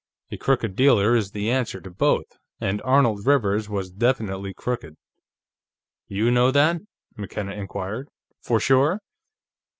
A crooked dealer is the answer to both, and Arnold Rivers was definitely crooked." "You know that?" McKenna inquired. "For sure?"